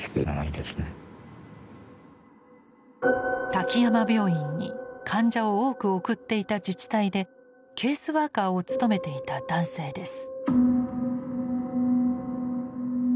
滝山病院に患者を多く送っていた自治体でケースワーカーを務めていた男性です。